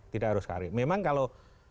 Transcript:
tidak harus karir memang kalau